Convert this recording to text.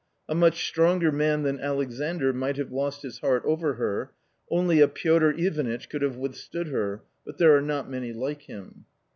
A much stronger man than Alexandr might have lost his heart over her, only a Piotr Ivanitch could have withstood her, but there are not many like him.